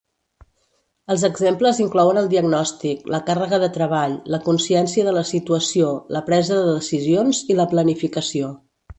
Els exemples inclouen el diagnòstic, la càrrega de treball, la consciència de la situació, la presa de decisions i la planificació.